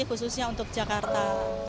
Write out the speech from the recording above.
khususnya untuk jakarta